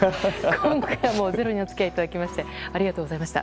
今夜も「ｚｅｒｏ」にお付き合いいただきましてありがとうございました。